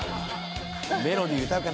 『メロディー』歌うかな？